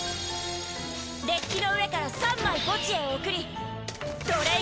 デッキの上から３枚墓地へ送りドレイ